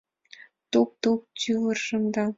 Тӱп-тӱп тӱмыржым да